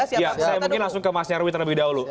saya mungkin langsung ke mas nyarwi terlebih dahulu